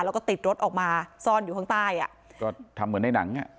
แล้วก็ติดรถออกมาซ่อนอยู่ข้างใต้อ่ะก็ทำเหมือนในหนังอ่ะ